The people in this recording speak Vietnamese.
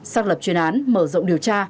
xác lập chuyên án mở rộng điều tra